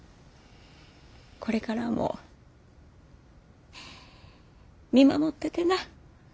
これからも見守っててな。